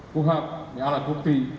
kuhab ala bukti